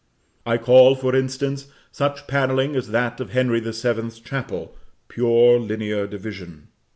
I call, for instance, such panelling as that of Henry the Seventh's chapel, pure linear division.